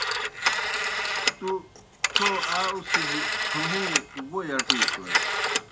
تھو آ اُڅِھجیْ ڇھہُوں ووئی اٹیسوئے۔